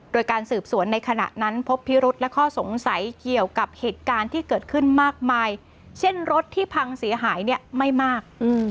โดยการสืบสวนในขณะนั้นพบพิรุษและข้อสงสัยเกี่ยวกับเหตุการณ์ที่เกิดขึ้นมากมายเช่นรถที่พังเสียหายเนี่ยไม่มาก